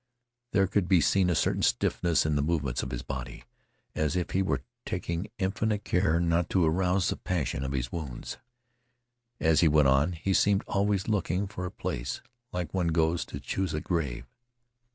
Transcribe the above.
There could be seen a certain stiffness in the movements of his body, as if he were taking infinite care not to arouse the passion of his wounds. As he went on, he seemed always looking for a place, like one who goes to choose a grave.